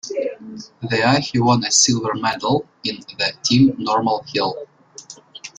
There he won a silver medal in the team normal hill.